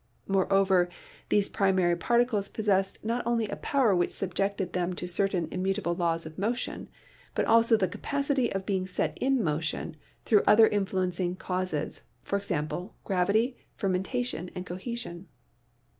Moreover, these primary particles possessed not only a power which subjected them to cer tain immutable laws of motion, but also the capacity of being set in motion through other influencing causes, for example gravity, fermentation and cohesion.